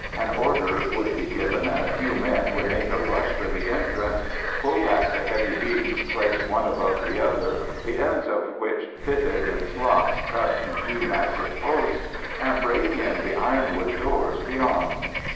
An order would be given and a few men would make a rush for the entrance, pull back the heavy beams placed one above the other, the ends of which fitted in slots cut in two massive posts, and break in the ironwood doors beyond.